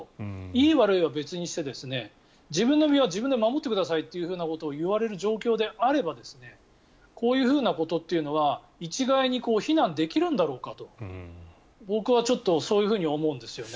いい悪いは別にして自分の身は自分で守ってくださいということを言われる状況であればこういうことというのは一概に非難できるんだろうかと僕はちょっとそう思うんですよね。